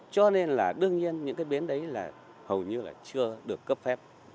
cho nên là đương nhiên những cái bến đấy là hầu như là chưa được cấp phép